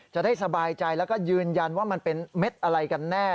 จะได้สบายใจแล้วก็ยืนยันว่ามันเป็นเม็ดอะไรกันแน่